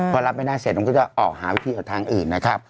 พอรับไม่ได้เสร็จมันก็จะออกหาวิธีกับทางอื่นนะครับ